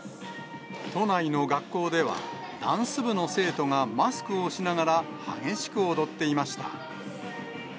都内の学校では、ダンス部の生徒がマスクをしながら激しく踊っていました。